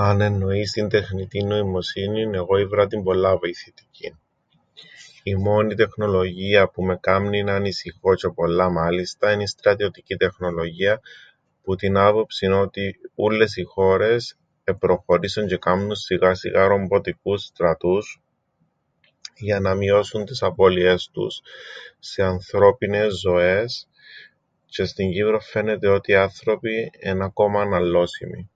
Αν εννοείς την τεχνητήν νοημοσύνην, εγώ ήβρα την πολλά βοηθητικήν. Η μόνη τεχνολογία που με κάμνει ν' ανησυχώ, τζ̆αι πολλά μάλιστα, εν' η στρατιωτική τεχνολογία, που την άποψην ότι ούλλες οι χώρες επροχωρήσαν τζ̆αι κάμνουν σιγά σιγά ρομποτικούς στρατούς, για να μειώσουν τις απώλειές τους σε ανθρώπινες ζωές, τζ̆αι στην Κύπρον φαίνεται ότι οι άνθρωποι εν' ακόμα αναλλώσιμοι.